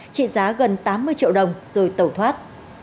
trị giá gần tám mươi triệu đồng rồi tẩu thoát